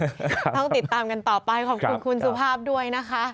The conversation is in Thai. ต้องติดตามกันต่อไปขอบคุณคุณสุภาพด้วยนะคะ